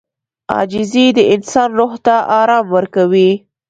• عاجزي د انسان روح ته آرام ورکوي.